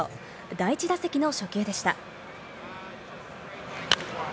第１打席の初球でした。